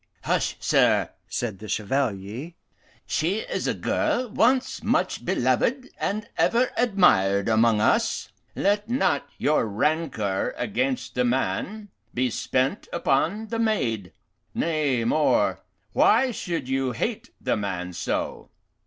"Hush, sir!" said the Chevalier. "She is a girl once much beloved and ever admired among us. Let not your rancour against the man be spent upon the maid. Nay, more, why should you hate the man so?